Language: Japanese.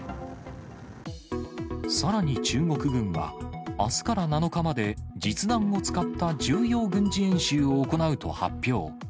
さらに中国軍は、あすから７日まで、実弾を使った重要軍事演習を行うと発表。